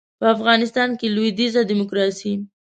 په افغانستان کې لویدیځه ډیموکراسي